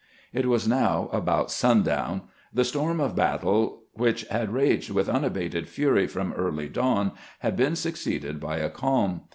It was now about sundown ; the storm of battle which had raged with unabated fury from early dawn had 68 CAMPAIGNING WITH GRANT been succeeded by a calm.